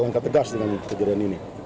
langkah tegas dengan kejadian ini